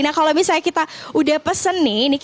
nah kalau misalnya kita udah pesen nih